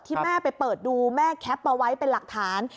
ที่แม่ไปเปิดดูแม่แคปมาไว้เป็นหลักฐาน